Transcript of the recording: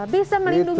bisa melindungi diri